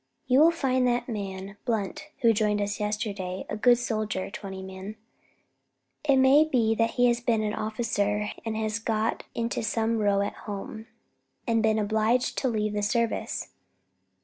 "You will find that man Blunt, who joined us yesterday, a good soldier, Twentyman. It may be he has been an officer, and has got into some row at home and been obliged to leave the service.